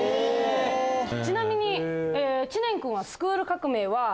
ちなみに。